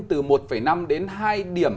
từ một năm đến hai điểm